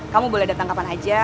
kamu boleh datang kapan aja